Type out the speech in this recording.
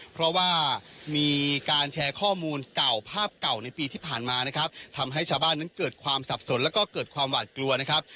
เพราะว่ามีการแชร์ข้อมูลเก่าภาพเก่าในปีที่ผ่านมานะครับทำให้ชาวบ้านนั้นเกิดความสับสนแล้วก็เกิดความหวาดกลัวนะครับ